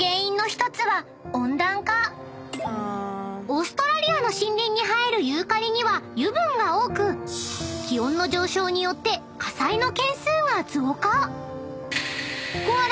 ［オーストラリアの森林に生えるユーカリには油分が多く気温の上昇によって火災の件数が増加］